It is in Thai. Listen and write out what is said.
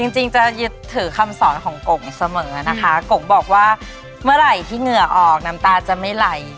จริงจะยึดถือคำสอนของกงเสมอนะคะกงบอกว่าเมื่อไหร่ที่เหงื่อออกน้ำตาจะไม่ไหล